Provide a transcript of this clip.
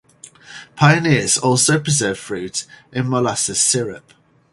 Pioneers also preserved fruit in molasses syrup.